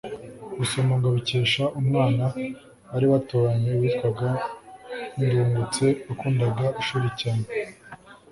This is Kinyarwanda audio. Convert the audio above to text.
Gusoma ngo abikesha umwana bari baturanye witwaga Ndungutse wakundaga ishuri cyane